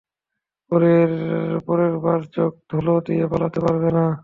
পরেরবার চোখে ধুলো দিয়ে পালাতে পারবে না।